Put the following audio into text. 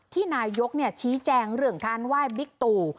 นายกชี้แจงเรื่องการไหว้บิ๊กตู่